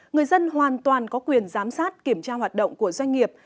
người dân hoàn toàn có quyền giám sát kiểm tra hoạt động của doanh nghiệp